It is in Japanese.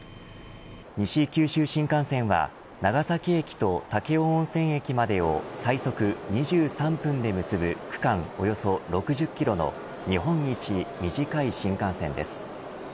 西九州新幹線は長崎駅と武雄温泉駅までを最速２３分で結ぶ、区間およそ６０キロの日本一短い新幹線です。